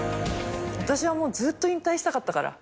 私はもうずっと引退したかったから。